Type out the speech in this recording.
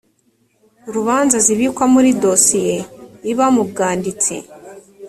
rubanza zibikwa muri dosiye iba mu bwanditsi